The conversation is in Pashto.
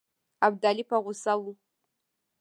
ابدالي په غوسه وو.